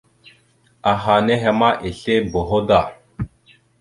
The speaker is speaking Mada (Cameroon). Aha henne ma esle boho da.